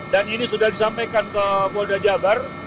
dan ini sudah disampaikan ke boda jabar